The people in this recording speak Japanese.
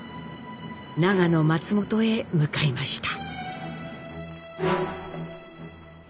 長野・松本へ向かいました。